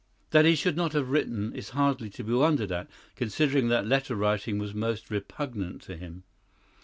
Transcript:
That he should not have written is hardly to be wondered at, considering that letter writing was most repugnant to him.